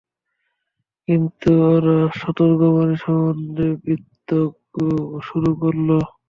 কিন্তু ওরা সতর্কবাণী সম্বন্ধে বিতণ্ডা শুরু করল।